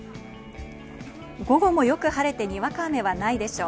午後もよく晴れて、にわか雨はないでしょう。